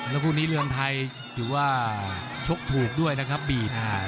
แล้วคู่นี้เรือนไทยถือว่าชกถูกด้วยนะครับบีบ